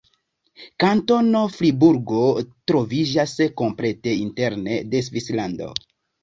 Kantono Friburgo troviĝas komplete interne de Svislando.